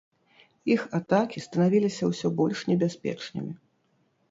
Іх атакі станавіліся ўсё больш небяспечнымі.